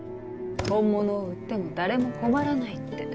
本物を売っても誰も困らないって。